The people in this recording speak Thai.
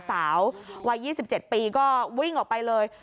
สาววัย๒๗ปีก็วิ่งออกไปเลย